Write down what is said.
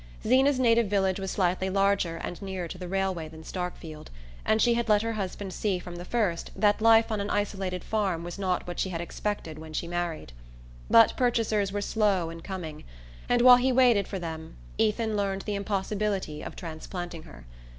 Zeena's native village was slightly larger and nearer to the railway than Starkfield, and she had let her husband see from the first that life on an isolated farm was not what she had expected when she married. But purchasers were slow in coming, and while he waited for them Ethan learned the impossibility of transplanting her.